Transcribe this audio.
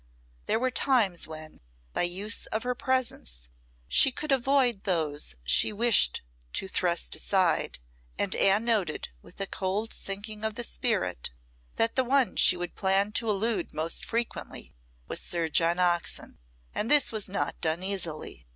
There were times when, by use of her presence, she could avoid those she wished to thrust aside, and Anne noted, with a cold sinking of the spirit, that the one she would plan to elude most frequently was Sir John Oxon; and this was not done easily.